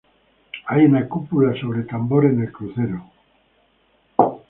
Hay una cúpula sobre tambor en el crucero.